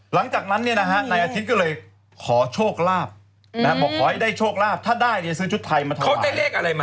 หลังจากนั้นในอาทิตย์ก็เลยขอโชคลาภบอกให้ได้โชคลาภถ้าได้จะซื้อชุดไทยมาทำไว้